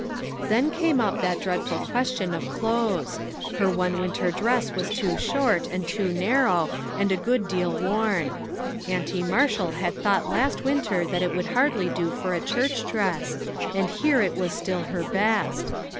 Then came up that dreadful question of clothes ; her one winter dress was too short and too narrow and a good deal worn. Auntie Mar shall had thought last winter that it would hardly do for a church dress, and here it was still her best.